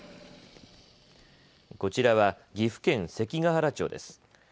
こちらは岐阜県関ケ原町です。